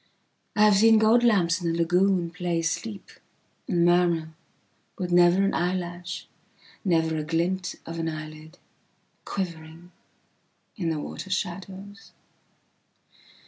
I have seen gold lamps in a lagoonplay sleep and murmurwith never an eyelash, never a glint of an eyelid, quivering in the water shadows.